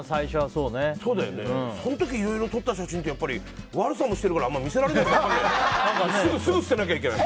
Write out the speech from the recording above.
その時いろいろ撮った写真って悪さもしてるから見せられない。